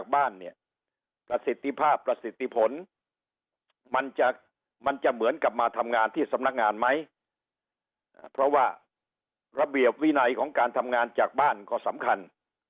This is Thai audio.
บ้านเนี่ยประสิทธิภาพประสิทธิผลมันจะมันจะเหมือนกับมาทำงานที่สำนักงานไหมเพราะว่าระเบียบวินัยของการทำงานจากบ้านก็สำคัญ